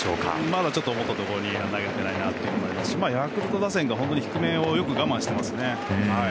まだ思ったところには投げられていないと思いますしヤクルト打線が本当に低めをよく我慢してますね。